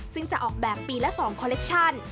ซึ่งจะออกแบบปีละ๒คอลเลคชั่น